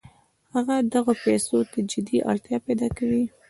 هغه دغو پیسو ته جدي اړتیا پیدا کوي